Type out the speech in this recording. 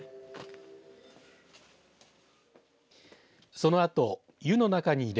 そのあと湯の中に入れ